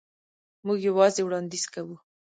موږ یوازې وړاندیز کوو.